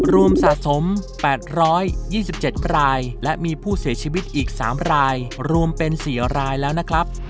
รวมสะสม๘๒๗รายและมีผู้เสียชีวิตอีก๓รายรวมเป็น๔รายแล้วนะครับ